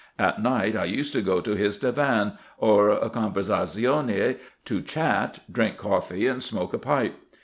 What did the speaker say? At night I used to go to his divan, or conversazione, to chat, drink coffee, and smoke a pipe.